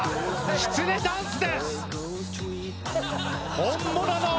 きつねダンスだ！